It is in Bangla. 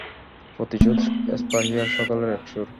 প্রতিশোধ স্পৃহায় সকলের একসুর।